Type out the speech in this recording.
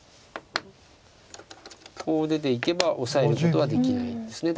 こう出ていけばオサえることはできないんです。